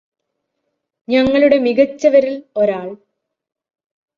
ഞങ്ങളുടെ മികച്ചവരില് ഒരാള്